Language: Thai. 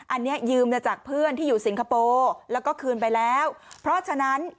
อันนี้ยืมมาจากเพื่อนที่อยู่สิงคโปร์แล้วก็คืนไปแล้วเพราะฉะนั้น